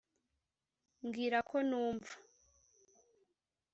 mbwira ko numva,